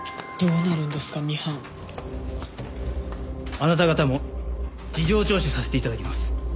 あなた方も事情聴取させていただきます。